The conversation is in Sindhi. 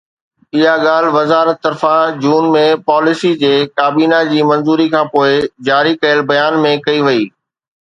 اها ڳالهه وزارت طرفان جون ۾ پاليسي جي ڪابينا جي منظوري کانپوءِ جاري ڪيل بيان ۾ ڪئي وئي